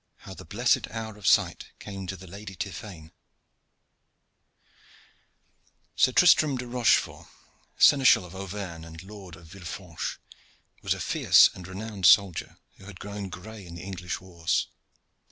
HOW THE BLESSED HOUR OF SIGHT CAME TO THE LADY TIPHAINE. Sir Tristram de Rochefort, Seneschal of Auvergne and Lord of Villefranche, was a fierce and renowned soldier who had grown gray in the English wars.